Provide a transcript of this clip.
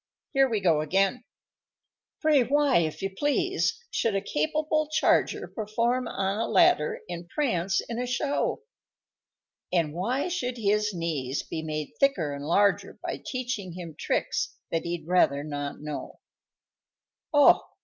"Here we go again:" _Pray why, if you please, should a capable charger Perform on a ladder and prance in a show? And why should his knees be made thicker and larger By teaching him tricks that he'd rather not know?_ _Oh!